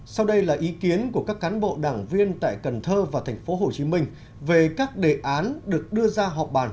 sau đây là ý kiến của các cán bộ đảng viên tại cần thơ và tp hcm về các đề án được đưa ra họp bàn